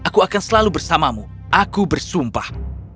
aku akan selalu bersamamu aku bersumpah